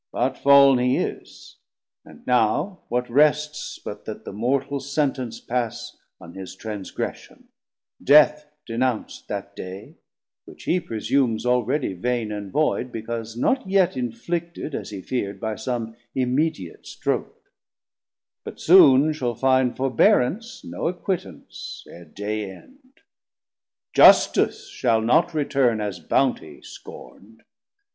But fall'n he is, and now What rests, but that the mortal Sentence pass On his transgression, Death denounc't that day, Which he presumes already vain and void, 50 Because not yet inflicted, as he fear'd, By some immediate stroak; but soon shall find Forbearance no acquittance ere day end. Justice shall not return as bountie scorn'd.